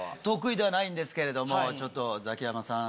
得意ではないんですけれどもちょっと。